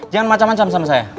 jangan macam macam sama saya